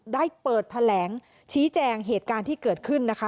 ได้เปิดแถลงชี้แจงเหตุการณ์ที่เกิดขึ้นนะคะ